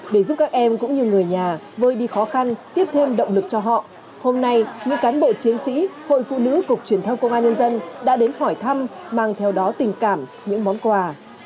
để giúp các em cũng như người nhà vơi đi khó khăn tiếp thêm động lực cho họ hôm nay những cán bộ chiến sĩ hội phụ nữ cục truyền thông công an nhân dân đã đến hỏi thăm mang theo đó tình cảm những món quà